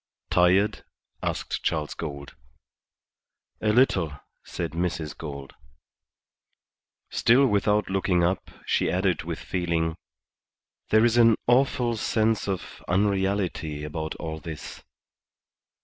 "Tired?" asked Charles Gould. "A little," said Mrs. Gould. Still without looking up, she added with feeling, "There is an awful sense of unreality about all this."